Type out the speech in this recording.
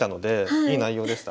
いい内容でした。